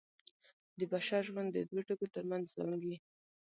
د بشر ژوند د دوو ټکو تر منځ زانګي.